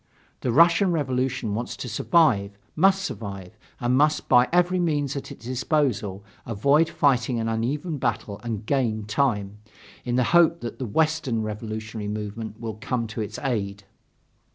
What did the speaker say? The Russian Revolution wants to survive, must survive, and must by every means at its disposal avoid fighting an uneven battle and gain time, in the hope that the Western revolutionary movement will come to its aid.